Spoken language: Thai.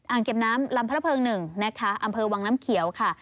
เก็บน้ำลำพระเพิง๑นะคะอำเภอวังน้ำเขียวค่ะ